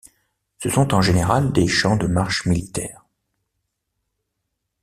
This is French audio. Ce sont en général des chants de marche militaires.